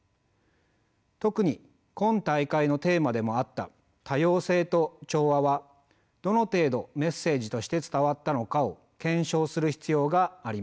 特に今大会のテーマでもあった多様性と調和はどの程度メッセージとして伝わったのかを検証する必要があります。